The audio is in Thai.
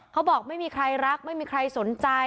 เขาบอกไม่มีใครรักไม่มีใครสนใจ